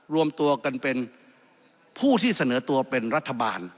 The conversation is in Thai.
รวมตัวกันเป็นผู้ที่เสนอตัวเป็นรัฐบาล